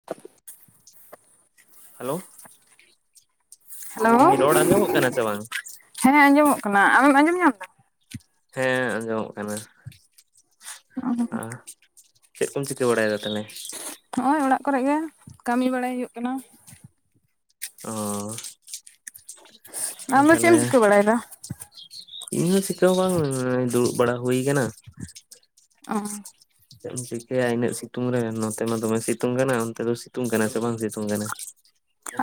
[inaudible] Hello hello ᱤᱧ ᱨᱚᱲ ᱟᱸᱡᱚᱢᱚᱜ ᱠᱟᱱᱟ ᱥᱮ ᱵᱟᱝ ᱦᱮᱸ ᱟᱸᱡᱚᱢᱚᱜ ᱠᱟᱱᱟ ᱟᱢᱮᱢ ᱟᱸᱡᱚᱢ ᱧᱟᱢᱫᱟ ᱦᱮᱸ ᱟᱸᱡᱚᱢᱚᱜ ᱠᱟᱱᱟ ᱟ ᱪᱮᱫ ᱠᱚᱢ ᱪᱤᱠᱟᱹ ᱵᱟᱲᱟᱭᱮᱫᱟ ᱛᱟᱞᱦᱮ ᱦᱚᱜ ᱚᱭ ᱚᱲᱟᱜ ᱠᱚᱨᱮᱜ ᱜᱮ ᱠᱟᱹᱢᱤ ᱵᱟᱲᱟᱭ ᱦᱩᱭᱩᱜ ᱠᱟᱱᱟ ᱚ ᱟᱢ ᱫᱚ ᱪᱮᱫ ᱛᱟᱦᱚᱞᱮ ᱮᱢ ᱪᱤᱠᱟᱹ ᱵᱟᱲᱟᱭᱮᱫᱟ ᱤᱧ ᱦᱚᱸ ᱪᱤᱠᱟᱹ ᱦᱚᱸ ᱵᱟᱝ ᱫᱩᱲᱩᱵ ᱵᱟᱲᱟ ᱦᱩᱭᱠᱟᱱᱟ ᱚ ᱪᱮᱫ ᱮᱢ ᱪᱤᱠᱟᱹᱭᱟ ᱤᱱᱟᱹᱜ ᱥᱤᱛᱩᱝ ᱨᱮ ᱱᱚᱛᱮ ᱢᱟ ᱫᱚᱢᱮ ᱥᱤᱛᱩᱝ ᱠᱟᱱᱟ ᱚᱱᱛᱮ ᱫᱚ ᱥᱤᱛᱩᱝ ᱠᱟᱱᱟ ᱥᱮ ᱵᱟᱝ ᱥᱤᱛᱩᱝ ᱠᱟᱱᱟ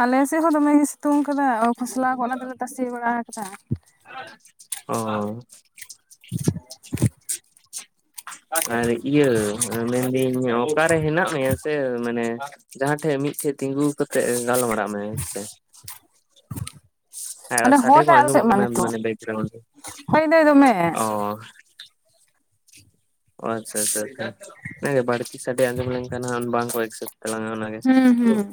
ᱟᱞᱮ ᱥᱮᱫ ᱦᱚᱸ ᱫᱚᱢᱮᱜᱮ ᱥᱤᱛᱩᱝ ᱠᱟᱫᱟ ᱠᱷᱚᱥᱞᱟ ᱠᱚ ᱚᱱᱟ ᱛᱮᱞᱮ ᱛᱟᱥᱮ ᱵᱟᱲᱟ ᱠᱟᱫᱟ ᱚ [inaudible] ᱟᱨ ᱤᱭᱟᱹ ᱢᱮᱱᱫᱟᱤᱧ ᱚᱠᱟᱨᱮ ᱦᱮᱱᱟᱜ ᱢᱮᱭᱟ ᱥᱮ ᱢᱟᱱᱮ ᱡᱟᱦᱟᱸ ᱴᱷᱮᱡ ᱢᱤᱫᱴᱷᱮᱡ ᱛᱤᱸᱜᱩ ᱠᱟᱛᱮᱜ ᱜᱟᱞᱢᱟᱨᱟᱜ ᱢᱮ ᱦᱮᱸᱥᱮ ᱦᱮᱸ ᱚᱸᱰᱮ ᱥᱟᱰᱮ ᱦᱚᱭ ᱠᱚ ᱫᱟᱭ ᱟᱞᱮ ᱥᱮᱫ ᱟᱸᱡᱚᱢᱚᱜ ᱢᱟ ᱠᱟᱱᱟ ᱱᱤᱛᱚᱜ ᱢᱟᱱᱮ ᱵᱮᱠᱜᱨᱟᱣᱩᱱᱰ, ᱦᱚᱭ ᱫᱟᱭ ᱫᱚᱢᱮ ᱚ ᱚ ᱟᱪᱪᱷᱟ ᱟᱪᱪᱷᱟ ᱟᱪᱷᱟ ᱟᱪᱷᱟ ᱚᱱᱟᱜᱮ ᱵᱟᱹᱲᱛᱤ ᱥᱟᱰᱮ ᱟᱡᱚᱢ ᱞᱮᱱᱠᱷᱟᱱ ᱦᱟᱸᱜ ᱵᱟᱝᱠᱚ ᱠᱚ ᱮᱠᱥᱮᱯᱴ ᱛᱟᱞᱟᱝᱼᱟ ᱚᱱᱟᱜᱮ ᱦᱩᱸ [unintelligible] ᱦᱩᱸ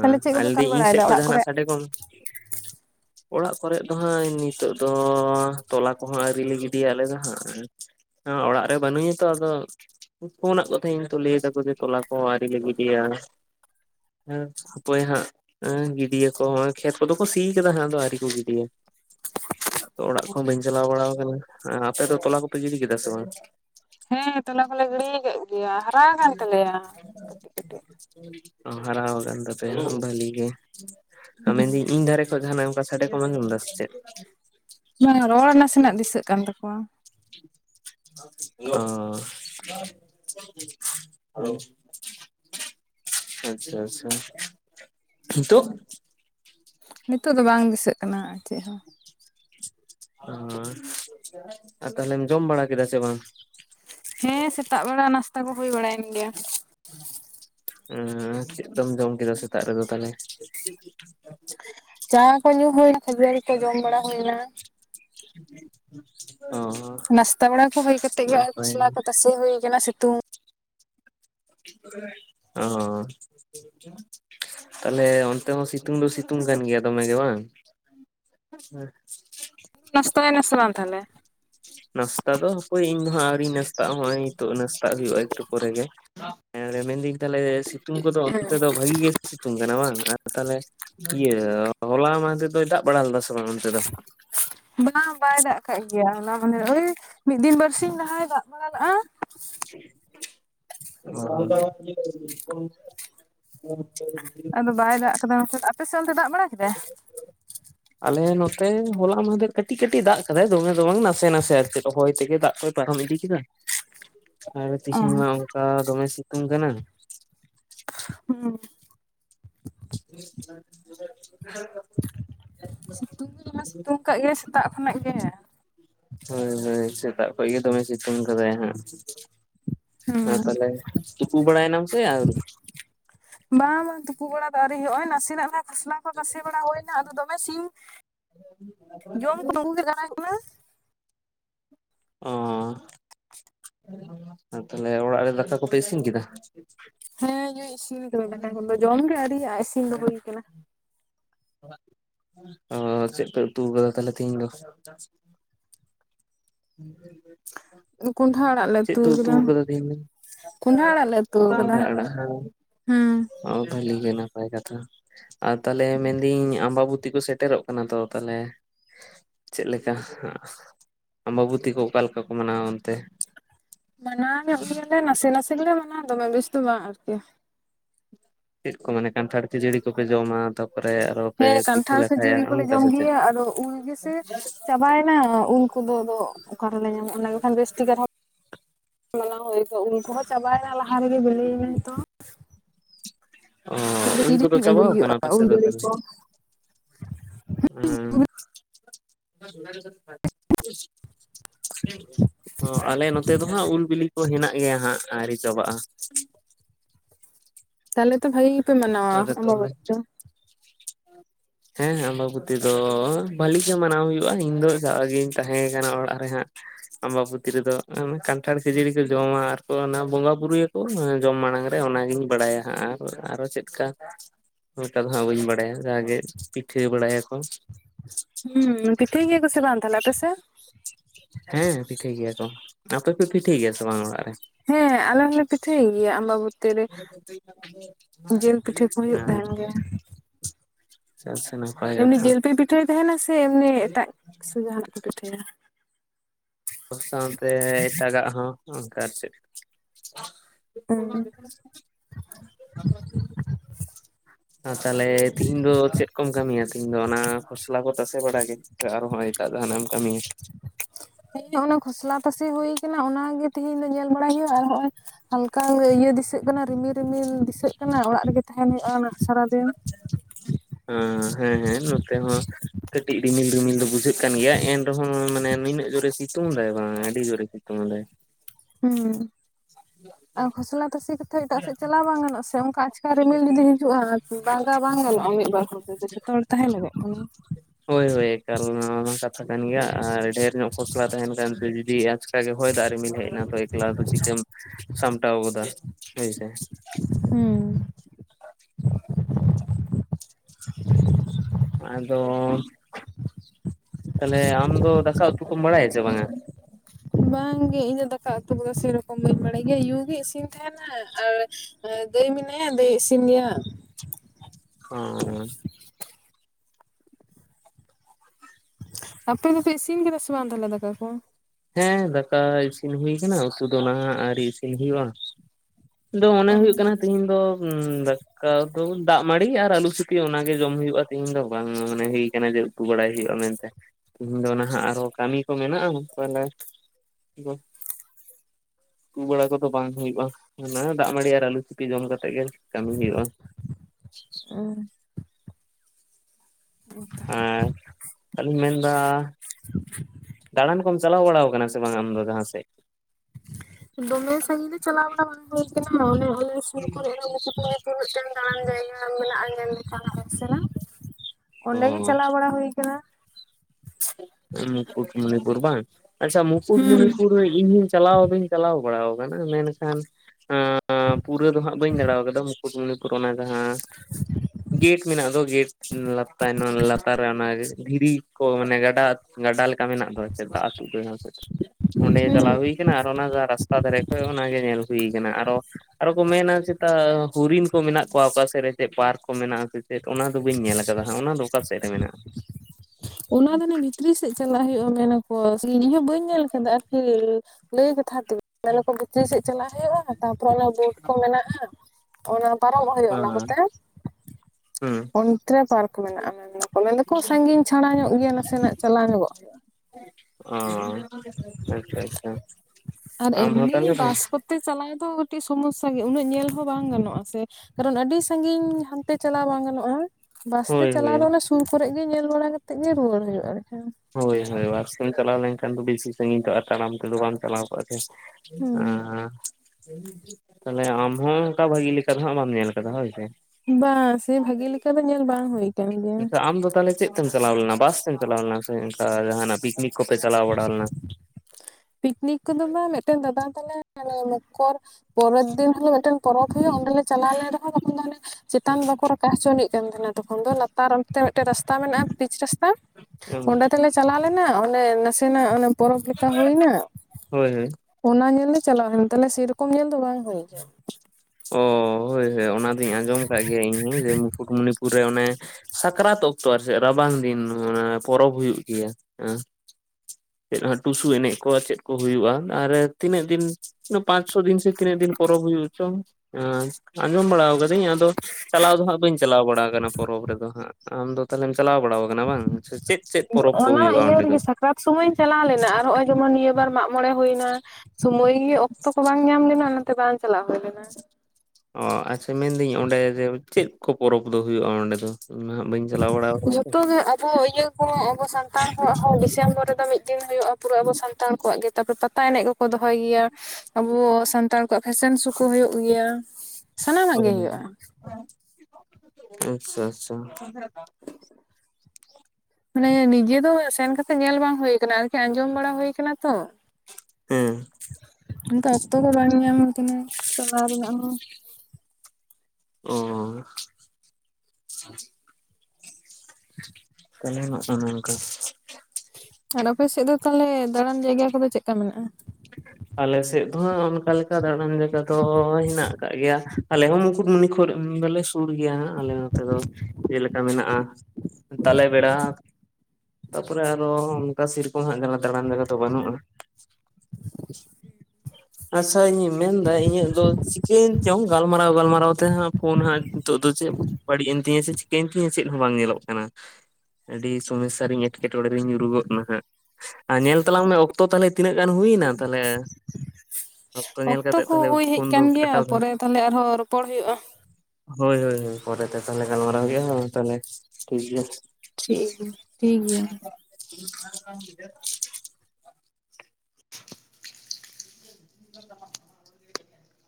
ᱛᱟᱦᱞᱮ ᱪᱮᱫ ᱟ ᱠᱚᱯᱮ ᱠᱟᱹᱢᱤ ᱞᱟᱹᱭᱫᱟᱹᱧ ᱤᱧ ᱥᱮᱜ ᱵᱟᱲᱟᱭᱮᱫᱟ ᱠᱷᱚᱱ ᱚᱲᱟᱜ ᱡᱟᱦᱟᱱᱟᱜ ᱠᱚᱨᱮ ᱥᱟᱰᱮ ᱠᱚᱢ [inaudible] ᱚᱲᱟᱜ ᱠᱚᱨᱮᱜ ᱫᱚ ᱦᱟᱸᱜ ᱱᱤᱛᱚᱜ ᱫᱚ ᱛᱚᱞᱟ ᱠᱚᱦᱚᱸ ᱟᱹᱣᱨᱤ ᱞᱮ ᱜᱤᱰᱤᱭᱟ ᱟᱞᱮ ᱫᱚ ᱦᱟᱸᱜ ᱦᱮᱸ ᱚᱲᱟᱜ ᱨᱮ ᱵᱟᱹᱱᱩᱧᱟᱛᱚ ᱟᱫᱚ ᱯᱷᱳᱱᱟᱜ ᱠᱚ ᱛᱟᱦᱮᱸᱤᱧ ᱞᱮᱭ ᱫᱟᱠᱚ ᱡᱮ ᱛᱚᱞᱟ ᱠᱚ ᱟᱹᱣᱨᱤ ᱞᱮ ᱜᱤᱰᱤᱭᱟ, ᱦᱟᱯᱳᱭ ᱦᱟᱸᱜ ᱦᱮᱸ ᱜᱤᱰᱤᱭᱟᱠᱚ ᱦᱚᱸᱜ-ᱚᱭ ᱠᱷᱮᱛ ᱠᱚᱫᱚ ᱠᱚ ᱥᱤ ᱠᱟᱫᱟ ᱦᱟᱸᱜ ᱟᱫᱚ ᱟᱹᱣᱨᱤ ᱠᱚ ᱜᱤᱰᱤᱭᱟ ᱟᱫᱚ ᱚᱲᱟᱜ ᱠᱚᱦᱚᱸ ᱵᱟᱹᱧ ᱪᱟᱞᱟᱣ ᱵᱟᱲᱟᱣ ᱠᱟᱱᱟ ᱮ ᱟᱯᱮ ᱫᱚ ᱛᱚᱞᱟ ᱠᱚᱯᱮ ᱜᱤᱰᱤ ᱠᱮᱫᱟ ᱥᱮ ᱵᱟᱝ ᱦᱮᱸ ᱛᱚᱞᱟ ᱠᱚᱞᱮ ᱜᱤᱲᱤ ᱠᱟᱜ ᱜᱮᱭᱟ ᱦᱟᱨᱟ ᱠᱟᱱ ᱛᱟᱞᱮᱭᱟ ᱠᱟᱹᱴᱤᱡ ᱠᱟᱹᱴᱤᱡ ᱚ ᱦᱟᱨᱟᱣ ᱠᱟᱱ ᱛᱟᱯᱮᱭᱟ ᱵᱷᱟᱞᱤ ᱜᱮ ᱢᱮᱱᱫᱟᱹᱧ ᱤᱧ ᱫᱷᱟᱨᱮ ᱠᱷᱚᱡ ᱡᱟᱦᱟᱱᱟᱜ ᱚᱱᱠᱟ ᱥᱟᱰᱮ ᱠᱚᱢ ᱟᱸᱡᱚᱢ ᱫᱟ ᱥᱮ ᱪᱮᱫ ᱵᱟᱝᱟ ᱨᱚᱲ ᱱᱟᱥᱮᱱᱟᱜ ᱫᱤᱥᱟᱹᱜ ᱠᱟᱱ ᱛᱟᱠᱚᱣᱟ ᱚᱻ [unintelligible] [unintelligible] ᱟᱪᱪᱷᱟ ᱟᱪᱪᱷᱟ ᱦᱤᱛᱳᱜ ᱱᱤᱛᱳᱜ ᱫᱚ ᱵᱟᱝ ᱫᱤᱥᱟᱹᱜ ᱠᱟᱱᱟ ᱟᱨ ᱪᱮᱫ ᱦᱚᱸ ᱾ ᱚ ᱟᱨ ᱛᱟᱞᱦᱮᱢ ᱡᱚᱢ ᱵᱟᱲᱟ ᱠᱮᱫᱟ ᱥᱮ ᱵᱟᱝ? ᱦᱮᱸ ᱥᱮᱛᱟᱜ ᱵᱮᱲᱟ ᱱᱟᱥᱛᱟ ᱠᱚ ᱦᱩᱭ ᱵᱟᱲᱟᱭᱮᱱ ᱜᱮᱭᱟ ᱾ ᱦᱮᱸ ᱪᱮᱫ ᱫᱚᱢ ᱡᱚᱢ ᱠᱮᱫᱟ ᱥᱮᱛᱟᱜ ᱨᱮᱫᱚ ᱛᱟᱞᱦᱮ? ᱪᱟ ᱠᱚ ᱧᱩ ᱦᱩᱭᱱᱟ ᱠᱷᱟᱹᱡᱟᱹᱲᱤ ᱠᱚ ᱡᱚᱢ ᱵᱟᱲᱟ ᱦᱩᱭᱱᱟ ᱾ ᱚᱻ ᱱᱟᱥᱛᱟ ᱵᱟᱲᱟ ᱠᱚ ᱦᱩᱭ ᱠᱟᱛᱮᱜ ᱜᱮ ᱟᱨ ᱠᱷᱚᱥᱞᱟ ᱠᱚ ᱛᱟᱥᱮ ᱦᱩᱭ ᱟᱠᱟᱱᱟ ᱥᱤᱛᱩᱝᱼᱼ ᱚᱸ ᱛᱟᱦᱚᱞᱮ ᱚᱱᱛᱮ ᱦᱚᱸ ᱥᱤᱛᱩᱝ ᱫᱚ ᱥᱤᱛᱩᱝ ᱠᱟᱱ ᱜᱮᱭᱟ ᱫᱚᱢᱮ ᱜᱮ ᱵᱟᱝ? ᱦᱮᱸ [unintelligible] ᱱᱟᱥᱛᱟᱭᱱᱟᱢ ᱥᱮ ᱵᱟᱝ ᱛᱟᱦᱚᱞᱮ? ᱱᱟᱥᱛᱟ ᱫᱚ ᱦᱟᱯᱟᱹᱭ ᱤᱧ ᱫᱚ ᱦᱟᱹᱜ ᱟᱹᱣᱨᱤ ᱱᱟᱥᱛᱟᱜ ᱱᱚᱜ-ᱚᱭ ᱱᱤᱛᱚᱜ ᱱᱟᱥᱛᱟᱜ ᱦᱩᱭᱩᱜ-ᱟ ᱮᱠᱴᱩ ᱯᱚᱨᱮ ᱜᱮ ᱾ ᱦᱮᱸ ᱨᱮ ᱢᱮᱱᱫᱟᱹᱧ ᱛᱟᱦᱚᱞᱮ ᱥᱤᱛᱩᱝ ᱠᱚᱫᱚ ᱚᱱᱛᱮ ᱫᱚᱼᱼ ᱵᱷᱟᱜᱤ ᱜᱮ ᱥᱤᱛᱩᱝ ᱠᱟᱱᱟ ᱵᱟᱝ? ᱟᱨ ᱛᱟᱦᱚᱞᱮ ᱤᱭᱟᱹ ᱦᱚᱞᱟ ᱢᱟᱦᱱᱫᱮᱨ ᱫᱚᱭ ᱫᱟᱜ ᱵᱟᱲᱟ ᱞᱮᱫᱟ ᱥᱮ ᱵᱟᱝ? ᱛᱮᱫᱚᱼᱼ ᱵᱟᱝᱼᱟ ᱵᱟᱭ ᱫᱟᱜ ᱠᱟᱜ ᱜᱮᱭᱟ, ᱦᱚᱞᱟ ᱢᱟᱦᱟᱱᱫᱮᱨ ᱳᱭ ᱢᱤᱫ ᱫᱤᱱ ᱵᱟᱨᱥᱤᱧ ᱞᱟᱦᱟᱭ ᱫᱟᱜ ᱵᱟᱲᱟᱞᱟᱜ-ᱟ ᱾ [inaudible] ᱚ [inaudible] ᱟᱫᱚ ᱚᱱᱛᱮ ᱟᱯᱮ ᱥᱮᱫ ᱚᱱᱛᱮ ᱫᱟᱜ ᱵᱟᱲᱟ ᱠᱮᱫᱟᱭ? ᱟᱞᱮ ᱱᱚᱛᱮ ᱦᱚᱞᱟ ᱢᱟᱦᱫᱮᱨ ᱠᱟᱹᱴᱤᱡ ᱠᱟᱹᱴᱤᱡ ᱫᱟᱜ ᱠᱟᱫᱟᱭ, ᱫᱚᱢᱮ ᱫᱚ ᱵᱟᱝ ᱱᱟᱥᱮ ᱱᱟᱥᱮ ᱟᱨᱠᱤ ᱦᱚᱭ ᱛᱮᱜᱮ ᱫᱟᱜ ᱠᱚᱭᱼᱼ ᱯᱟᱨᱚᱢ ᱤᱫᱤ ᱠᱮᱫᱟ, ᱟᱨ ᱚ ᱛᱮᱦᱤᱧ ᱢᱟ ᱚᱱᱠᱟ ᱫᱚᱢᱮ ᱥᱤᱛᱩᱝ ᱠᱟᱱᱟ ᱾ ᱦᱩᱸ ᱾ ᱦ [unintelligible] ᱥᱤᱛᱩᱝ ᱫᱚ ᱫᱚᱢᱮ ᱥᱤᱛᱩᱝ ᱠᱟᱜ ᱜᱮ ᱥᱮᱛᱟᱜ ᱠᱷᱚᱱᱟᱜ ᱜᱮ ᱾ ᱦᱚᱭ ᱦᱚᱭ ᱥᱮᱛᱟᱜ ᱠᱷᱚᱡ ᱜᱮ ᱫᱚᱢᱮ ᱥᱤᱛᱩᱝ ᱠᱟᱫᱟᱭ ᱦᱟᱸᱜ ᱾ ᱦᱟᱸ ᱦᱩᱸ ᱛᱟᱦᱚᱞᱮ ᱛᱩᱯᱩ ᱵᱟᱲᱟᱭᱱᱟᱢ ᱥᱮ ᱟᱹᱣᱨᱤ? ᱵᱟᱝ ᱵᱟᱝ ᱛᱩᱯᱩ ᱵᱟᱲᱟ ᱫᱚ ᱟᱹᱣᱨᱤ ᱦᱩᱭᱩᱜ-ᱟ, ᱱᱟᱥᱮᱱᱟᱜ ᱠᱷᱚᱥᱞᱟ ᱠᱚ ᱛᱟᱥᱮ ᱵᱟᱲᱟ ᱦᱩᱭ ᱾ ᱟᱫᱚ ᱫᱚᱢᱮ ᱥᱤᱢ ᱡᱚᱢ ᱫᱟᱠᱚ ᱩᱱᱠᱩ ᱜᱮ ᱞᱟᱜᱟ [unintelligible] ᱫᱟᱲᱟᱱ ᱠᱟᱱᱟ ᱚ, ᱟᱨ ᱛᱟᱦᱚᱞᱮ ᱚᱲᱟᱜ ᱨᱮ ᱫᱟᱠᱟ ᱠᱚᱯᱮ ᱤᱥᱤᱱ ᱠᱮᱫᱟ? ᱦᱮᱸ ᱤᱭᱳ ᱤᱥᱤᱱ ᱟᱠᱟᱱᱟ ᱫᱟᱠᱟ ᱠᱚᱫᱚ ᱡᱚᱢ ᱜᱮ ᱟᱹᱣᱨᱤᱭᱟᱜ-ᱟ ᱤᱥᱤᱱ ᱫᱚ ᱦᱩᱭ ᱟᱠᱟᱱᱟ ᱾ ᱚᱸ ᱪᱮᱫ ᱯᱮ ᱩᱛᱩ ᱠᱟᱜ-ᱟ ᱛᱟᱦᱞᱮ ᱛᱮᱦᱤᱧ ᱫᱚ? ᱠᱚᱸᱰᱷᱟ ᱟᱲᱟᱜ ᱞᱮ ᱪᱮᱫ ᱯᱮ ᱩᱛᱩ ᱟᱠᱟᱫᱟ ᱠᱟᱫᱟ ᱛᱮᱦᱤᱧ ᱫᱚ? ᱠᱚᱸᱰᱷᱟ ᱟᱲᱟᱜ ᱞᱮ ᱩᱛᱩ ᱟᱠᱟᱫᱟ ᱠᱚᱱᱰᱟ ᱟᱲᱟᱜ ᱦᱮᱸ ᱾ ᱚ ᱵᱷᱟᱞᱤ ᱜᱮ ᱱᱟᱯᱟᱭ ᱠᱟᱛᱷᱟ, ᱟᱨ ᱛᱟᱦᱚᱞᱮ ᱢᱮᱱᱫᱟᱹᱧ ᱟᱢᱵᱟᱵᱚᱛᱤ ᱠᱚ ᱥᱮᱴ ᱴᱮᱨᱚᱜ ᱠᱟᱱᱟ ᱛᱚ ᱛᱟᱦᱚᱞᱮ ᱪᱮᱫ ᱞᱮᱠᱟ ᱦᱟᱸᱜ? ᱚᱵᱚᱵᱚᱛᱤ ᱠᱚ ᱚᱠᱟ ᱞᱮᱠᱟ ᱠᱚ ᱢᱟᱱᱟᱣᱟ ᱚᱱᱛᱮ? ᱢᱟᱱᱟᱣᱮᱫ ᱜᱮᱭᱟᱞᱮ ᱱᱟᱥᱮ ᱱᱟᱥᱮ ᱜᱮᱞᱮ ᱢᱟᱱᱟᱣᱟ ᱫᱚᱢᱮ ᱵᱮᱥ ᱫᱚ ᱵᱟᱝ ᱟᱨᱠᱤ ᱾ ᱪᱮᱫ ᱠᱚ ᱢᱟᱱᱮ ᱠᱟᱱᱴᱷᱟᱲ ᱠᱷᱟᱹᱡᱟᱹᱲᱤ ᱠᱚᱯᱮ ᱡᱚᱢᱟ ᱛᱚ? ᱦᱮᱸ ᱠᱟᱱᱴᱷᱟᱲ ᱠᱷᱟᱹᱡᱟᱹᱲᱤ ᱠᱚᱞᱮ ᱡᱚᱢ ᱥᱮ ᱪᱮᱫ? ᱜᱮᱭᱟ ᱟᱫᱚ ᱩᱞ ᱜᱮᱥᱮᱼᱼ ᱪᱟᱵᱟᱭᱮᱱᱟ ᱩᱞ ᱠᱚᱫᱚ ᱚᱠᱟ ᱨᱮᱞᱮ ᱧᱟᱢᱟ? ᱚᱱᱟ ᱜᱮ ᱵᱟᱠᱷᱟᱱ ᱵᱮᱥ ᱾ ᱟᱨᱦᱚᱸ ᱢᱟᱱᱟᱣ ᱦᱩᱭ ᱛᱚ ᱩᱞ ᱠᱚ ᱦᱚᱸ ᱪᱟᱵᱟᱭᱮᱱᱟ ᱞᱟᱦᱟ ᱨᱮᱜᱮ ᱵᱤᱞᱤᱭᱮᱱᱟ ᱱᱤᱛᱚᱜ ᱾ ᱚ ᱫᱚ ᱩᱞ ᱠᱚᱫᱚ ᱠᱤᱨᱤᱧ ᱟᱹᱜᱩᱭ ᱪᱟᱵᱟᱣ ᱠᱟᱱᱟ ᱦᱩᱭᱩᱜᱼᱟ ᱟᱯᱮ ᱩᱞ ᱥᱮᱫ ᱫᱚ ᱵᱤᱞᱤ ᱛᱟᱦᱚᱞᱮ? ᱠᱚ ᱮᱸ [unintelligible] ᱚ ᱟᱞᱮ ᱱᱚᱛᱮ ᱫᱚ ᱦᱟᱸᱜ ᱩᱞ ᱵᱤᱞᱤ ᱠᱚ ᱦᱮᱱᱟᱜ ᱜᱮᱭᱟ ᱦᱟᱸᱜ ᱟᱹᱣᱨᱤ ᱪᱟᱵᱟᱜᱼᱟ᱾ ᱛᱟᱦᱚᱞᱮ ᱛᱚ ᱵᱷᱟᱜᱤ ᱜᱮᱼᱼ ᱟᱫᱚ ᱛᱟᱦᱚᱞᱮ ᱦᱮᱸ ᱟᱢᱵᱟ ᱵᱚᱛᱤ ᱫᱚ ᱵᱷᱟᱹᱞᱤ ᱜᱮ ᱢᱟᱱᱟᱣ ᱦᱩᱭᱩᱜᱼᱟ ᱤᱧ ᱫᱚ ᱡᱟᱜᱤᱧ ᱛᱟᱦᱮᱸ ᱠᱟᱱᱟ ᱚᱲᱟᱜ ᱨᱮ ᱜᱮ ᱦᱟᱸᱜ᱾ ᱟᱢᱵᱟᱵᱚᱛᱤ ᱨᱮᱫᱚ ᱚᱱᱮ ᱠᱟᱱᱴᱷᱟᱲ ᱠᱷᱤᱡᱲᱤ ᱠᱚ ᱡᱚᱢᱟ ᱟᱨᱠᱚ ᱚᱱᱟ ᱵᱚᱸᱜᱟ ᱵᱩᱨᱩ ᱣᱟᱹᱼᱼ ᱚ ᱡᱚᱢ ᱢᱟᱲᱟᱝ ᱨᱮ ᱚᱱᱟᱜᱤᱧ ᱵᱟᱲᱟᱭᱟ ᱦᱟᱸᱜ ᱟᱨ ᱪᱮᱫ? ᱠᱟᱫᱟ ᱚᱱᱠᱟ ᱫᱚ ᱦᱟᱸᱜ ᱵᱟᱹᱧ ᱵᱟᱲᱟᱭᱟ ᱡᱟᱜᱮ ᱯᱤᱴᱷᱟᱹ ᱵᱟᱲᱟᱭᱟᱠᱚ᱾ ᱦᱩᱸ ᱯᱤᱴᱷᱟᱹᱭ ᱜᱮᱭᱟ ᱠᱚ ᱥᱮ ᱵᱟᱝ ᱛᱟᱦᱚᱞᱮ ᱟᱯᱮ ᱥᱮᱜ? ᱦᱮᱸ ᱯᱤᱴᱷᱟᱹᱭ ᱜᱮᱭᱟ ᱠᱚ ᱟᱯᱮ ᱯᱮ ᱯᱤᱴᱷᱟᱹᱭ ᱜᱮᱭᱟ ᱥᱮ ᱵᱟᱝ ᱚᱲᱟᱜ ᱨᱮ? ᱦᱮᱸ ᱟᱞᱮ ᱦᱚᱸᱞᱮ ᱯᱤᱴᱷᱟᱹᱭ ᱜᱮᱭᱟ ᱟᱢᱵᱟ ᱵᱩᱼᱼ ᱯᱤᱴᱷᱟᱹ ᱠᱚ ᱦᱩᱭᱩᱜ ᱛᱟᱦᱮᱱ ᱜᱮᱭᱟ [inaudible] ᱦᱮᱸ ᱪᱟᱥᱮᱱᱟᱼᱼ ᱮᱢᱱᱮ ᱡᱤᱞ ᱯᱮ ᱯᱤᱴᱷᱟᱹᱭ ᱛᱟᱦᱮᱱᱟ ᱥᱮ ᱮᱢᱱᱤ ᱮᱴᱟᱜ ᱥᱮ ᱡᱟᱦᱟᱸᱱᱟᱜ ᱯᱮ ᱯᱤᱴᱷᱟᱹᱭᱟ? ᱥᱟᱶᱛᱮ ᱮᱴᱟ ᱜᱟᱜ ᱦᱚᱸ ᱚᱱᱠᱟ ᱟᱨ ᱪᱮᱫ? ᱦᱩᱸ [inaudible] ᱛᱟᱦᱚᱞᱮ ᱛᱤᱦᱤᱧ ᱫᱚ ᱪᱮᱫ ᱠᱚᱢ ᱠᱟᱹᱢᱤᱭᱟ ᱛᱤᱦᱤᱧ ᱫᱚ ᱚᱱᱟ ᱠᱷᱚᱥᱞᱟ ᱠᱚ ᱛᱟᱥᱮ ᱵᱟᱲᱟ ᱜᱮ? ᱟᱨ ᱦᱚᱸᱭᱤᱛ ᱫᱷᱟᱱᱟᱮᱢ ᱠᱟᱹᱢᱤᱼᱼ ᱦᱮᱸ ᱚᱱᱟ ᱠᱷᱚᱥᱞᱟ ᱛᱟᱥᱤ ᱦᱩᱭ ᱠᱟᱱᱟ ᱚᱱᱟᱜᱮ ᱛᱮᱤᱦᱤᱧ ᱫᱚ ᱧᱮᱞ ᱵᱟᱲᱟᱭ ᱦᱩᱭᱩᱜᱼᱟ ᱟᱨ ᱱᱚᱜᱼᱚᱭ᱾ ᱦᱟᱞᱠᱟ ᱤᱭᱟᱹ ᱫᱤᱥᱤᱥᱟᱹᱜ ᱠᱟᱱᱟ ᱨᱤᱢᱤᱞ ᱨᱤᱢᱤᱞ ᱫᱤᱥᱟᱹᱜ ᱠᱟᱱᱟ ᱚᱲᱟᱜ ᱨᱮᱜᱮ ᱛᱟᱦᱮᱱ ᱦᱩᱭᱩᱜᱼᱟ ᱱᱟ ᱥᱟᱨᱟ ᱫᱤᱱ᱾ ᱦᱮᱸ ᱦᱮᱸ ᱱᱚᱛᱮ ᱦᱚᱸ, ᱠᱟᱹᱴᱤᱡ ᱨᱤᱢᱤᱞ ᱫᱤᱢᱤᱞ ᱫᱚ ᱵᱩᱡᱷᱟᱹᱜ ᱠᱟᱱ ᱜᱮᱭᱟ ᱮᱱᱨᱮᱦᱚᱸ ᱢᱟᱱᱮ ᱱᱤᱱᱟᱹᱜ ᱡᱳᱨᱮ ᱥᱤᱛᱩᱝ ᱫᱟᱭ ᱵᱟᱝ ᱟᱹᱰᱤ ᱡᱳᱨᱮ ᱥᱤᱛᱩᱝ ᱫᱟᱭ᱾ ᱦᱩᱸᱻ [inaudible] ᱟᱨ ᱠᱷᱚᱥᱞᱟ ᱛᱟᱥᱤ ᱠᱟᱛᱮᱫ ᱮᱴᱟᱜ ᱥᱮᱫ ᱪᱟᱞᱟᱣ ᱵᱟᱝ ᱜᱟᱱᱚᱜ ᱥᱮ ᱚᱱᱠᱟ ᱟᱪᱠᱟ ᱨᱤᱢᱤᱞ ᱡᱩᱫᱤ ᱦᱤᱡᱩᱜᱼᱟ᱾ ᱵᱟᱝᱜᱟ ᱵᱟᱝ ᱜᱟᱱᱚᱜᱼᱟ ᱢᱤᱫ ᱵᱟᱨ ᱦᱚᱲ ᱠᱚ ᱡᱷᱚᱛᱚ ᱦᱚᱲ ᱛᱟᱦᱮᱸ ᱞᱟᱜᱟᱜ ᱠᱟᱱᱟ᱾ ᱦᱳᱭ ᱦᱳᱭ ᱮᱠᱟᱞ ᱱᱣᱟᱼᱼ ᱠᱟᱛᱷᱟ ᱠᱟᱱ ᱜᱮᱭᱟ ᱟᱨ ᱰᱷᱮᱨ ᱧᱚᱜ ᱯᱷᱚᱥᱞᱟ ᱛᱟᱦᱮᱱ ᱠᱟᱱ ᱡᱩᱫᱤ ᱟᱪᱠᱟ ᱜᱮ ᱦᱚᱭ ᱫᱟᱜᱼᱼ ᱨᱤᱢᱤᱞ ᱦᱮᱡ ᱱᱟ ᱛᱚ ᱮᱠᱞᱟ ᱪᱤᱠᱮᱢ ᱥᱟᱢᱴᱟᱣ ᱜᱚ ᱫᱟ ᱦᱳᱭᱥᱮ᱾ ᱦᱮᱸ᱾ ᱟᱫᱚ ᱛᱟᱦᱚᱞᱮ ᱟᱢ ᱫᱚ ᱫᱟᱠᱟ ᱩᱛᱩ ᱠᱚᱢ ᱵᱟᱲᱟᱭᱟ ᱥᱮ ᱵᱟᱝᱟ? ᱵᱟᱝᱜᱮ ᱤᱧᱟᱹᱜ ᱫᱟᱠᱟ ᱩᱛᱩ ᱠᱚᱫᱚ ᱥᱮᱨᱚᱠᱚᱢ ᱵᱟᱹᱧ ᱵᱟᱲᱟᱭ ᱜᱮᱭᱟ ᱭᱩ ᱜᱮ ᱤᱥᱤᱱ ᱛᱟᱦᱮᱱᱟ ᱟᱨᱼᱼ ᱫᱟᱹᱭ ᱢᱮᱱᱟᱭᱟ ᱫᱟᱹᱭ ᱥᱤᱢ ᱜᱮᱭᱟ᱾ ᱚᱸᱻ ᱟᱯᱮ ᱫᱚᱯᱮ ᱤᱥᱤᱱ ᱠᱮᱫᱟ ᱥᱮ ᱵᱟᱝ ᱛᱟᱦᱚᱞᱮ ᱫᱟᱠᱟ ᱠᱚ? ᱦᱮᱸ ᱫᱟᱠᱟ ᱤᱥᱤᱱ ᱦᱩᱭ ᱟᱠᱟᱱᱟ ᱩᱛᱩ ᱫᱚ ᱱᱟᱦᱟᱜ ᱟᱨᱨᱤ ᱤᱥᱤᱱ ᱦᱩᱭᱩᱜᱼᱟ᱾ ᱫᱚ ᱚᱱᱮ ᱦᱩᱭᱩᱜ ᱠᱟᱱᱟ ᱛᱤᱦᱤᱧ ᱫᱚ ᱫᱟᱼᱼ ᱠᱟᱣ ᱫᱚ ᱫᱟᱜ ᱢᱟᱹᱲᱤ ᱟᱨ ᱟᱹᱞᱩ ᱥᱤᱯᱤ ᱚᱱᱟ ᱜᱮ ᱡᱚᱢ ᱦᱩᱭᱩᱜᱼᱟ ᱛᱮᱦᱮᱧ ᱫᱚ ᱵᱟᱝ ᱢᱟᱱᱮ ᱦᱩᱭ ᱟᱠᱟᱱᱟ ᱡᱮ ᱩᱛᱩ ᱵᱟᱲᱟᱭᱼᱼ ᱦᱩᱭᱩᱜᱼᱟ ᱢᱮᱱᱛᱮ ᱛᱮᱦᱮᱧ ᱫᱚ ᱱᱟᱦᱟᱜ ᱟᱨᱚ ᱠᱟᱹᱢᱤ ᱠᱚ ᱢᱮᱱᱟᱜᱼᱟ ᱛᱟᱦᱚᱞᱮ᱾ ᱛᱟᱹᱛᱩ ᱵᱟᱲᱟ ᱠᱚᱫᱚ ᱵᱟᱝ ᱦᱩᱭᱩᱜᱼᱟ ᱚᱱᱟ ᱫᱟᱜ ᱢᱟᱹᱲᱤ ᱟᱨ ᱟᱹᱞᱩ ᱥᱤᱯᱤ ᱡᱚᱢ ᱠᱟᱛᱮᱮᱫ ᱜᱮ ᱠᱟᱹᱢᱤ ᱦᱩᱭᱩᱜᱼᱟ᱾ ᱦᱸ ᱚᱼᱼ ᱦᱮᱸᱻ ᱛᱟᱦᱚᱞᱮᱧ ᱢᱮᱱᱫᱟ ᱫᱟᱬᱟᱱᱼᱼ ᱠᱚᱢ ᱪᱟᱞᱟᱣ ᱵᱟᱲᱟ ᱟᱠᱟᱱᱟ ᱥᱮ ᱵᱟᱝ ᱟᱢ ᱫᱚ ᱡᱟᱦᱟᱸ ᱥᱮᱮᱫ? ᱫᱚᱢᱮ ᱥᱟᱹᱜᱤᱧ ᱪᱟᱞᱟᱣ ᱵᱟᱲᱟ ᱵᱟᱝ ᱦᱩᱭ ᱠᱟᱱᱟ ᱚᱱᱮ ᱟᱞᱮ ᱥᱩᱨ ᱠᱚᱨᱮ ᱫᱚ ᱢᱩᱠᱩᱴᱢᱩᱱᱤᱯᱩᱨ ᱨᱮᱼᱼ ᱢᱤᱫᱴᱮᱱ ᱫᱟᱬᱟᱱ ᱡᱟᱭᱜᱟ ᱢᱮᱱᱟᱜᱼᱟ ᱧᱮᱞ ᱞᱮᱠᱟᱱᱟᱜ ᱥᱮ ᱚᱸᱰᱮ ᱚ ᱜᱮ ᱪᱟᱞᱟᱣ ᱵᱟᱲᱟ ᱦᱩᱭ ᱟᱠᱟᱱᱟ᱾ ᱢᱩᱠᱩᱴᱢᱩᱱᱤᱯᱩᱨ ᱵᱟᱝ ᱟᱪᱪᱷᱟ ᱢᱩᱠᱩᱴᱢᱩᱱᱤᱯᱩᱨ᱾ ᱤᱧ ᱦᱚᱸ ᱪᱟᱞᱟᱣ ᱫᱚᱧ ᱪᱟᱞᱟᱣ ᱵᱟᱲᱟ ᱟᱠᱟᱱᱟ ᱢᱮᱱ ᱠᱷᱟᱱ᱾ ᱟᱹ ᱟᱹ ᱯᱩᱨᱟᱹ ᱫᱚᱦᱟᱸᱜ ᱵᱟᱹᱧ ᱫᱟᱲᱟ ᱟᱠᱟᱫᱟ ᱢᱩᱠᱩᱴᱢᱩᱱᱤ᱾ [unintelligible] ᱡᱟᱦᱟᱸ ᱜᱮᱴ ᱢᱮᱱᱟᱜ ᱫᱚ ᱜᱮᱴ᱾ ᱞᱟᱛᱟᱨ ᱞᱟᱛᱟᱨ ᱨᱮ ᱚᱱᱟ ᱜᱮ ᱫᱷᱤᱨᱤ ᱠᱚ ᱢᱟᱱᱮ ᱜᱟᱰᱟ᱾ ᱜᱟᱰᱟ ᱞᱮᱠᱟ ᱢᱮᱱᱟᱜ ᱫᱚ ᱪᱮᱫ ᱫᱟᱜ ᱟᱹᱛᱩ [unintelligible] ᱚᱸᱰᱮ ᱜᱮ ᱪᱟᱞᱟᱣ ᱦᱩᱸ ᱦᱩᱭ ᱟᱠᱟᱱᱟ ᱟᱨ ᱚᱱᱟ ᱨᱟᱥᱛᱟ᱾ ᱫᱷᱟᱨᱮ ᱠᱷᱚᱡ ᱚᱱᱟ ᱜᱮ ᱧᱮᱞ ᱦᱩᱭ ᱟᱠᱟᱱᱟ ᱟᱨᱚ᱾ ᱟᱨᱚ ᱠᱚ ᱢᱮᱱᱟ ᱪᱮᱛᱟ ᱦᱚᱨᱤᱱ ᱠᱚ ᱢᱮᱱᱟᱜ ᱠᱚᱣᱟ ᱚᱠᱟ ᱥᱮᱫ ᱨᱮ ᱪᱮᱫ ᱯᱟᱨᱠ ᱠᱚ ᱢᱮᱱᱟᱜᱼᱟᱥᱮ᱾ [unintelligible] ᱚᱱᱟ ᱫᱚ ᱵᱟᱹᱧ ᱧᱮᱞ ᱟᱠᱟᱫᱟ ᱦᱟᱸᱜ ᱚᱱᱟ ᱫᱚ ᱚᱠᱟ ᱥᱮᱫ ᱨᱮ ᱢᱮᱱᱟᱜᱼᱟ᱾ ᱚᱱᱟ ᱫᱚ ᱟᱹᱱᱤᱡ ᱵᱷᱤᱛᱨᱤ ᱥᱮᱫ ᱪᱟᱞᱟᱜ ᱦᱩᱭᱩᱜᱼᱟ ᱢᱮᱱᱟ ᱠᱚ ᱤᱧᱦᱚᱸ ᱵᱟᱹᱧ ᱧᱮᱞ ᱠᱟᱫᱟ ᱟᱨᱠᱤ᱾ ᱞᱟᱹᱭ ᱠᱟᱛᱷᱟ ᱛᱮ ᱢᱟᱱᱮ ᱠᱚ ᱵᱷᱤᱛᱨᱤ ᱥᱮᱫ ᱪᱟᱞᱟᱜ ᱦᱩᱭᱩᱜᱼᱟ ᱛᱟᱨᱯᱚᱨᱮ ᱚᱱᱟ ᱵᱳᱴ ᱠᱚ ᱢᱮᱱᱟᱜᱼᱟ᱾ ᱚᱱᱟ ᱯᱟᱨᱚᱢᱚᱜ ᱦᱩᱭᱩᱜᱼᱟ ᱚᱱᱟ ᱦᱮᱸ ᱠᱚᱛᱮ᱾ ᱦᱩᱸ ᱚᱱᱛᱮᱨᱮ ᱯᱟᱨᱠ ᱢᱮᱱᱟᱜᱼᱟ ᱢᱮᱱ ᱫᱟᱠᱚ ᱢᱮᱱ ᱫᱟᱠᱚ ᱥᱟᱺᱜᱤᱧ ᱪᱷᱟᱲᱟ ᱧᱚᱜ ᱜᱮᱭᱟ ᱱᱟᱥᱮᱱᱟᱜ ᱪᱟᱞᱟᱣ ᱧᱚᱜᱚᱜ᱾ ᱚ ᱟᱪᱪᱷᱟ ᱟᱪᱪᱷᱟ ᱟᱨ ᱟᱢ ᱮᱢᱱᱤ ᱦᱚᱴᱟᱞᱮ ᱵᱷᱟᱜᱮ᱾ [unintelligible] ᱪᱟᱞᱟᱣ ᱫᱚ ᱠᱟᱹᱴᱤᱡ ᱥᱚᱢᱚᱥᱥᱟ ᱜᱮ ᱩᱱᱟᱹᱜ ᱧᱮᱞ ᱦᱚᱸ ᱵᱟᱝ ᱜᱟᱱᱚᱜᱼᱟ ᱥᱮ ᱠᱟᱨᱚᱱ ᱟᱹᱰᱤ ᱥᱟᱺᱜᱤᱧ ᱦᱟᱱᱛᱮ᱾ ᱪᱟᱞᱟᱣ ᱵᱟᱝ ᱜᱟᱱᱚᱜᱼᱟ ᱵᱟᱥ ᱛᱮ ᱦᱳᱭ ᱪᱟᱞᱟᱣ ᱦᱳᱭ ᱫᱚ ᱚᱱᱟ ᱥᱩᱨ ᱠᱚᱨᱮ ᱜᱮ ᱧᱮᱞ ᱵᱟᱲᱟ ᱠᱟᱛᱮᱫ ᱜᱮ ᱨᱩᱣᱟᱹᱲ ᱦᱩᱭᱩᱜᱼᱟ ᱾ ᱦᱳᱭ ᱦᱳᱭ ᱵᱟᱥ ᱛᱮᱢ ᱪᱟᱞᱟᱣ ᱞᱮᱱ ᱠᱷᱟᱱ ᱫᱚ ᱵᱮᱥᱤ ᱥᱟᱹᱜᱤᱧᱼᱟ ᱛᱟᱲᱟᱢ ᱛᱮᱫᱚ ᱵᱟᱝ ᱪᱟᱞᱟᱣ ᱠᱚᱜᱼᱟ᱾ ᱦᱩᱸ [unintelligible] ᱛᱟᱦᱚᱞᱮ ᱟᱢ ᱦᱚᱸ ᱚᱱᱠᱟ ᱵᱷᱟᱜᱤ ᱞᱮᱠᱟ ᱫᱚ ᱵᱟᱢ ᱧᱮᱞ ᱟᱠᱟᱫᱟ ᱦᱳᱭ ᱥᱮ ᱵᱟᱝ ᱥᱮ ᱵᱷᱟᱜᱤ ᱞᱮᱠᱟ ᱫᱚ ᱧᱮᱞ ᱵᱟᱝ ᱦᱩᱭ ᱠᱟᱱ ᱜᱮᱭᱟ ᱟᱢ ᱫᱚ ᱛᱟᱦᱚᱞᱮ ᱪᱮᱫ [unintelligible] ᱪᱟᱞᱟᱣ ᱞᱮᱱᱟ ᱵᱟᱥ ᱛᱮᱢ ᱪᱟᱞᱟᱣ ᱞᱮᱱᱟ ᱥᱮ ᱚᱱᱠᱟ ᱯᱤᱠᱱᱤᱠ ᱠᱚᱯᱮ ᱪᱟᱞᱟᱣ ᱵᱟᱲᱟ ᱞᱮᱱᱟ ᱯᱤᱠᱱᱤᱠ ᱠᱚᱫᱚ ᱵᱟᱝ ᱢᱤᱫᱴᱮᱱ ᱫᱟᱫᱟ ᱛᱟᱞᱮ [unintelligible] ᱢᱚᱠᱚᱨ ᱯᱚᱨᱮᱨ ᱫᱤᱱ ᱦᱤᱞᱳᱜ ᱢᱤᱫᱴᱮᱱ ᱯᱚᱨᱚᱵᱽ ᱦᱩᱭᱩᱜᱼᱟ ᱚᱸᱰᱮ ᱞᱮ ᱪᱟᱞᱟᱣ ᱞᱮᱱ ᱨᱮ ᱦᱚᱸ ᱛᱚᱠᱷᱚᱱ ᱫᱚ ᱚᱱᱮᱼᱼ ᱪᱮᱛᱟᱱ ᱵᱟᱠᱚ ᱨᱟᱠᱟᱵ ᱦᱚᱪᱚ ᱟᱱᱤᱡ ᱠᱟᱱ ᱛᱟᱦᱮᱱᱟ ᱛᱚᱠᱷᱚᱱ ᱫᱚ ᱞᱟᱛᱟᱨ ᱚᱱᱛᱮ ᱢᱤᱫᱴᱮᱱ ᱨᱟᱥᱛᱟ ᱢᱮᱱᱟᱜᱼᱟ ᱯᱤᱪ ᱨᱟᱥᱛᱟ ᱚᱸᱰᱮ ᱦᱳᱭ ᱛᱮᱞᱮ ᱪᱟᱞᱟᱣ ᱞᱮᱱᱟ ᱚᱱᱮ ᱱᱟᱥᱮᱱᱟᱜ ᱯᱚᱨᱚᱵᱽ ᱞᱮᱠᱟᱼᱼ ᱦᱩᱭ ᱮᱱᱟ ᱦᱳᱭ ᱚᱱᱟ ᱧᱮᱞ ᱞᱮ ᱪᱟᱞᱟᱜ [unintelligible] ᱛᱟᱦᱚᱞᱮ ᱥᱮ ᱨᱚᱠᱚᱢ ᱧᱮᱞ ᱫᱚ ᱵᱟᱝ ᱦᱩᱭ ᱞᱮᱱᱟ ᱚ ᱦᱳᱭ ᱦᱳᱭ ᱚᱱᱟ ᱫᱩᱧ ᱟᱸᱡᱚᱢ ᱟᱠᱟᱫ ᱜᱮᱭᱟ ᱤᱧ ᱦᱚᱸ ᱡᱮ ᱢᱩᱠᱩᱴᱢᱚᱱᱤᱯᱩᱨ ᱨᱮ ᱚᱱᱮ ᱥᱟᱠᱨᱟᱛ ᱚᱠᱛᱚ ᱟᱨ ᱪᱮᱫ ᱨᱟᱵᱟᱝ ᱫᱤᱱ ᱚᱱᱟ ᱯᱚᱨᱚᱵᱽ ᱦᱩᱭᱩᱜ ᱜᱮᱭᱟ ᱦᱮᱸ ᱪᱮᱫ ᱦᱚᱸ ᱴᱩᱥᱩ ᱮᱱᱮᱡ ᱠᱚ ᱪᱮᱫ ᱠᱚ ᱦᱩᱭᱩᱜᱼᱟ ᱟᱨ ᱛᱤᱱᱟᱹᱜ ᱫᱤᱱ ᱚᱱᱟ ᱯᱟᱸᱪ ᱪᱷᱚᱭ ᱫᱤᱱ ᱥᱮ ᱛᱤᱱᱤ ᱫᱤᱱ ᱯᱚᱨᱚᱵ ᱦᱩᱭᱩᱜ ᱪᱚᱝ ᱟᱸᱡᱚᱢ ᱵᱟᱲᱟ ᱠᱟᱹᱫᱟᱹᱧ ᱟᱫᱚ ᱪᱟᱞᱟᱣ ᱫᱚ ᱦᱟᱸᱜ ᱵᱟᱹᱧ ᱪᱟᱞᱟᱣ ᱵᱟᱲᱟ ᱠᱟᱱᱟ ᱯᱚᱨᱚᱵᱽ ᱨᱮ ᱫᱚ ᱦᱟᱸᱜ ᱟᱢᱫᱚ ᱛᱟᱦᱚᱞᱮᱢ ᱪᱟᱞᱟᱣ ᱵᱟᱲᱟ ᱟᱠᱟᱱᱟ ᱵᱟᱝ ᱪᱮᱫ ᱪᱮᱫ ᱯᱚᱨᱚᱵᱽ ᱠᱚ ᱦᱩᱭᱩᱜᱼᱟ ᱚᱸᱰᱮ ᱫᱚᱼᱼ ᱥᱟᱵ ᱥᱚᱢᱚᱭ ᱤᱧ ᱪᱟᱞᱟᱣ ᱞᱮᱱᱟ ᱟᱨ ᱱᱚᱜ-ᱚᱭ ᱡᱮᱢᱚᱱ ᱱᱤᱭᱟᱹ ᱵᱟᱨ ᱢᱟᱜᱼᱼ ᱢᱚᱬᱮ ᱦᱩᱭᱱᱟ ᱥᱚᱢᱚᱭ ᱜᱮ ᱚᱠᱛᱚ ᱠᱚ ᱵᱟᱝ ᱧᱟᱢ ᱞᱮᱱᱟ ᱚᱱᱟ ᱛᱮ ᱵᱟᱝ ᱪᱟᱞᱟᱣ ᱦᱩᱭ ᱞᱮᱱᱟ ᱚ ᱟᱪᱪᱷᱟ ᱢᱮᱱᱫᱟᱹᱧ ᱚᱸᱰᱮ ᱡᱮ ᱪᱮᱫ ᱠᱚ ᱯᱚᱨᱚᱵᱽ ᱫᱚ ᱦᱩᱭᱩᱜᱼᱟ ᱚᱸᱰᱮ ᱫᱚ ᱚᱱᱟ ᱦᱟᱸᱜ ᱵᱟᱹᱧ ᱪᱟᱞᱟᱣ ᱵᱟᱲᱟ ᱟᱠᱟᱱᱟ ᱛᱚ ᱡᱚᱛᱚ ᱜᱮ ᱟᱫᱚ ᱤᱭᱟᱹᱼᱼ ᱟᱵᱚ ᱥᱟᱱᱛᱟᱲ ᱠᱚᱣᱟᱜ ᱦᱚᱸ ᱰᱤᱥᱮᱢᱵᱚᱨ ᱨᱮᱫᱚ ᱢᱤᱫ ᱫᱤᱱ ᱦᱩᱭᱩᱜᱼᱟ ᱯᱩᱨᱟᱹ ᱟᱵᱚ ᱥᱟᱱᱛᱟᱲ ᱠᱚᱣᱟᱜ ᱜᱮ ᱛᱟᱯᱚᱨ ᱯᱟᱛᱟ ᱮᱱᱮᱡ ᱠᱚ ᱠᱚ ᱫᱚᱦᱚᱭ ᱜᱮᱭᱟ ᱟᱵᱚ ᱥᱟᱱᱛᱟᱲ ᱠᱚᱣᱟᱜ ᱯᱷᱮᱥᱮᱱ ᱥᱳ ᱠᱚ ᱦᱩᱭᱩᱜ ᱜᱮᱭᱟ ᱥᱟᱱᱟᱢᱟᱜ ᱜᱮ ᱦᱩᱭᱩᱜᱼᱟ [unintelligible] ᱟᱪᱪᱷᱟ ᱟᱪᱪᱷᱟ ᱢᱟᱱᱮ ᱱᱤᱡᱮ ᱫᱚ ᱥᱮᱱ ᱠᱟᱛᱮᱫ ᱧᱮᱞ ᱵᱟᱝ ᱦᱩᱭ ᱟᱠᱟᱱᱟ ᱟᱨᱠᱤ ᱟᱸᱡᱚᱢ ᱵᱟᱲᱟ ᱦᱩᱭ ᱟᱠᱟᱱᱟ ᱛᱚ ᱦᱮᱸ ᱚᱱᱠᱟ ᱚᱠᱛᱚ ᱫᱚ ᱵᱟᱝ ᱧᱟᱢ ᱦᱩᱭ ᱟᱠᱟᱱᱟ ᱪᱟᱞᱟᱣ ᱨᱮᱱᱟᱜ ᱦᱚᱸᱼᱼ ᱚᱻ ᱛᱟᱦᱚᱞᱮ ᱱᱚᱜᱼᱚ ᱱᱚᱝᱠᱟ ᱟᱨ ᱟᱯᱮ ᱥᱮᱫ ᱫᱚ ᱛᱟᱦᱚᱞᱮ ᱫᱟᱬᱟᱱ ᱡᱟᱭᱜᱟ ᱠᱚᱫᱚ ᱪᱮᱫ ᱞᱮᱠᱟ ᱢᱮᱱᱟᱜᱼᱟ ᱟᱞᱮᱥᱮᱫ ᱫᱚ ᱚᱱᱠᱟ ᱞᱮᱠᱟ ᱫᱟᱬᱟᱱ ᱡᱟᱭᱜᱟ ᱫᱚ ᱦᱮᱱᱟᱜ ᱟᱠᱟᱫ ᱜᱮᱭᱟ ᱟᱞᱮ ᱦᱚᱸ ᱢᱩᱠᱩᱴᱢᱩᱱᱤ ᱠᱷᱚᱱ ᱫᱚᱞᱮ ᱥᱩᱨ ᱜᱮᱭᱟ ᱟᱞᱮ ᱱᱚᱛᱮ ᱫᱚ ᱡᱮᱞᱮᱠᱟ ᱢᱮᱱᱟᱜᱼᱟ ᱛᱟᱞᱮ ᱵᱮᱲᱟ ᱛᱟᱯᱚᱨᱮ ᱟᱨᱚ ᱚᱱᱠᱟ ᱥᱮᱨᱚᱠᱚᱢ ᱫᱟᱬᱟᱱ ᱡᱟᱭᱜᱟ ᱫᱚ ᱵᱟᱹᱱᱩᱜᱼᱟ [inaudible] ᱟᱪᱪᱷᱟ ᱤᱧᱤᱧ ᱢᱮᱱ ᱫᱟ ᱤᱧᱟᱹᱜ ᱫᱚ ᱪᱤᱠᱟᱹᱭᱳᱱ ᱪᱚᱝ ᱜᱟᱞᱢᱟᱨᱟᱣ ᱜᱟᱞᱢᱟᱨᱟᱣ ᱛᱮ ᱦᱟᱸᱜ ᱯᱷᱳᱱ ᱦᱟᱸᱜ ᱱᱤᱛᱚᱜ ᱫᱚ ᱪᱮᱫ ᱵᱟᱹᱲᱤᱡ ᱮᱱ ᱛᱤᱧᱟᱹ ᱥᱮ ᱪᱤᱠᱟᱹᱭᱮᱱ ᱛᱤᱧᱟᱹ ᱪᱮᱫ ᱦᱚᱸ ᱵᱟᱝ ᱧᱮᱞᱚᱜ ᱠᱟᱱᱟ ᱟᱹᱰᱤ ᱥᱚᱢᱚᱥᱥᱟ ᱨᱤᱧ ᱮᱸᱴᱠᱮᱴᱚᱬᱮ ᱨᱤᱧ ᱧᱩᱨᱩᱜᱚᱫ ᱱᱟ ᱦᱟᱸᱜ ᱟᱨ ᱧᱮᱞ ᱛᱟᱞᱟᱝ ᱢᱮ ᱚᱠᱛᱚ ᱛᱟᱦᱚᱞᱮ ᱛᱤᱱᱟᱹᱜ ᱜᱟᱱ ᱦᱩᱭ ᱮᱱᱟ ᱛᱟᱦᱚᱞᱮ ᱚᱠᱛᱚ ᱧᱮᱞ ᱠᱟᱛᱮᱫ ᱠᱚ ᱛᱟᱦᱞᱮ ᱦᱩᱭ ᱦᱮᱡ ᱯᱷᱳᱱ ᱫᱚ ᱠᱟᱱ ᱜᱮᱭᱟ ᱠᱟᱴᱟᱣ ᱫᱟ ᱯᱚᱨᱮ ᱛᱟᱦᱚᱞᱮ ᱟᱨᱦᱚᱸ ᱨᱚᱯᱚᱲ ᱦᱩᱭᱩᱜᱼᱟ᱾ ᱦᱳᱭ ᱦᱳᱭ ᱦᱳᱭ ᱯᱚᱨᱮᱛᱮ ᱛᱟᱦᱚᱞᱮ ᱜᱟᱞᱢᱟᱨᱟᱣ ᱦᱩᱭᱩᱜᱼᱟ ᱦᱮ ᱛᱟᱦᱚᱞᱮ ᱴᱷᱤᱠ ᱜᱮᱭᱟ ᱴᱷᱤᱠ ᱜᱮᱭᱟ ᱴᱷᱤᱠ ᱜᱮᱭᱟ [inaudible] [inaudible]